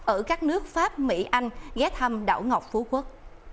ở các nước pháp mỹ anh ghé thăm đảo ngọc phú quốc